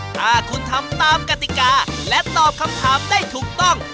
ถ้าคุณทำตามกติกาและตอบคำถามได้ถูกต้อง